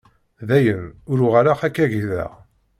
Dayen, ur uɣaleɣ ad k-agdeɣ.